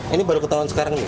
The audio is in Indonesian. ini baru ketahuan sekarang